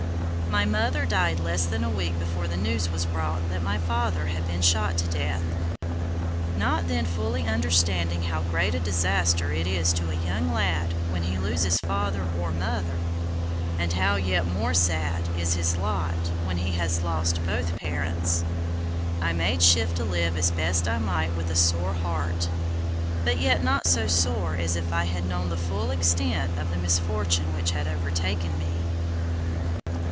My mother died less than a week before the news was brought that my father had been shot to death. Not then fully understanding how great a disaster it is to a young lad when he loses father or mother, and how yet more sad is his lot when he has lost both parents, I made shift to live as best I might with a sore heart; but yet not so sore as if I had known the full extent of the misfortune which had overtaken me.